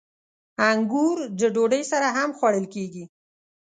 • انګور د ډوډۍ سره هم خوړل کېږي.